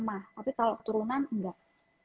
mah tapi kalau keturunan enggak